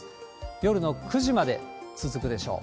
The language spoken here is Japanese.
夜の９時まで続くでしょう。